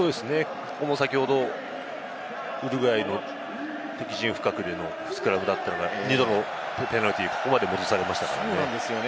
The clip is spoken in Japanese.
ここも先ほどウルグアイ敵陣深くでのスクラムだったのが、２度のペナルティーをここまで戻されましたからね。